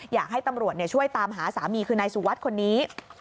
อยากให้ตำรวจช่วยตามหาสามีคือนายสุวัสดิ์คนนี้